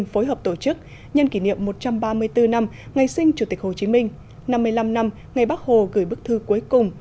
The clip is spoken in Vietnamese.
phối hợp tổ chức nhân kỷ niệm một trăm ba mươi bốn năm ngày sinh chủ tịch hồ chí minh năm mươi năm năm ngày bắc hồ gửi bức thư cuối cùng